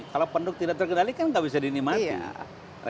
kalau penduduk tidak terkendalikan tidak bisa dinikmati